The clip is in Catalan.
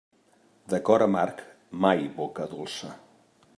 De cor amarg, mai boca dolça.